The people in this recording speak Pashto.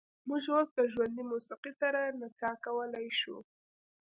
موږ اوس د ژوندۍ موسیقۍ سره نڅا کولی شو